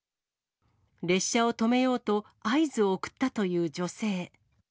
列車を止めようと、合図を送ったという女性。